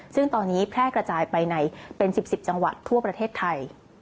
ซึ่งตอนนี้แพร่กระจายไปในเป็น๑๐๑๐จังหวัดทั่วประเทศไทย